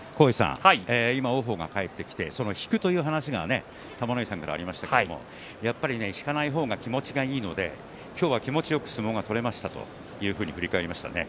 今、王鵬が帰ってきて引くという話が玉ノ井さんからありましたけれどもやっぱり引かない方が気持ちがいいので今日は気持ちよく相撲が取れましたというふうに振り返りました。